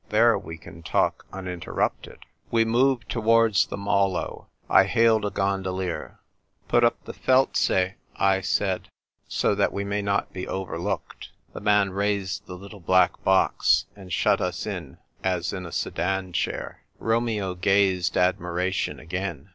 There we can talk unin terrupted." We moved towards the Molo. I hailed a gondolier. " Put up the felze," I said, " so that we may not be overlooked." The man raised the little black box, and shut us in as in a sedan chair. Romeo gazed admiration again.